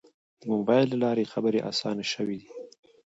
د موبایل له لارې خبرې آسانه شوې دي.